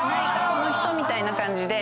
この人みたいな感じで。